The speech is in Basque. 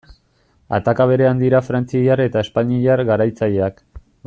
Ataka berean dira frantziar eta espainiar garatzaileak.